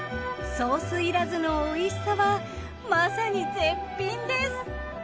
ソースいらずのおいしさはまさに絶品です！